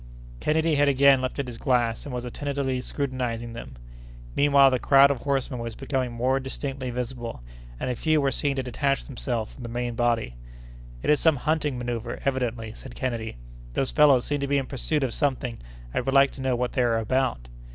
Kennedy had again lifted his glass and was attentively scrutinizing them. Meanwhile the crowd of horsemen was becoming more distinctly visible, and a few were seen to detach themselves from the main body. "It is some hunting manœuvre, evidently," said Kennedy. "Those fellows seem to be in pursuit of something. I would like to know what they are about."